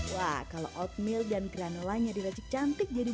wah kalau oatmeal dan granola yang diracik cantik